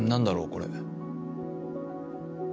これ。